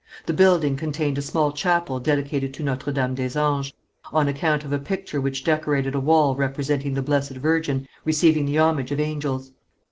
The building contained a small chapel dedicated to Notre Dame des Anges, on account of a picture which decorated a wall representing the Blessed Virgin receiving the homage of angels.